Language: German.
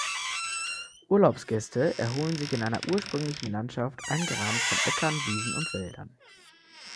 Urlaubsgäste erholen sich in einer ursprünglichen Landschaft, eingerahmt von Äckern, Wiesen und Wäldern.